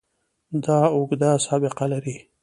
دا اوږده سابقه لري.